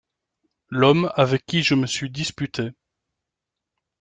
L’homme avec qui je me suis disputé.